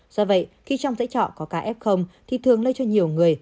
do vậy khi trong giải trọ có ca f thì thường lây cho nhiều người